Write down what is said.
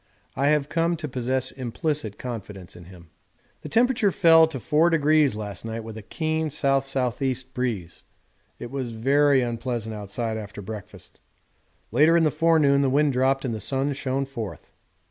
I have come to possess implicit confidence in him. The temperature fell to 4° last night, with a keen S.S.E. breeze; it was very unpleasant outside after breakfast. Later in the forenoon the wind dropped and the sun shone forth.